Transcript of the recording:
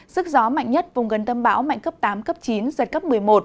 sức gió mạnh nhất vùng gần tâm bão mạnh cấp tám cấp chín giật cấp một mươi một